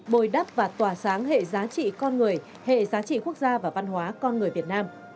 bồi đắp và tỏa sáng hệ giá trị con người hệ giá trị quốc gia và văn hóa con người việt nam